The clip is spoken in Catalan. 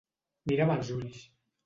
Mira'm als ulls.